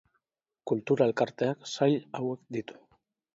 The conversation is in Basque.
Kultura-Elkarteak sail hauek ditu.